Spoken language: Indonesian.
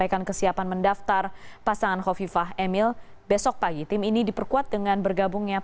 yang mau diisytikan untuk mengganti diri dari pendanggaraannya